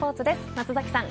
松崎さん